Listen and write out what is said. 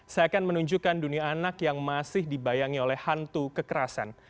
saya akan menunjukkan dunia anak yang masih dibayangi oleh hantu kekerasan